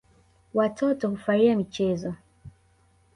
Watoto hufaria michezo.